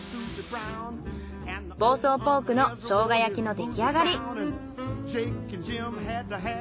房総ポークのしょうが焼きの出来上がり。